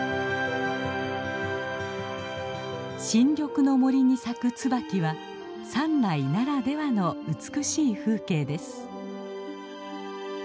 新緑の森に咲くツバキは山内ならではの美しい風景です。